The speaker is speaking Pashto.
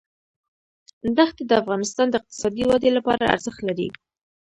دښتې د افغانستان د اقتصادي ودې لپاره ارزښت لري.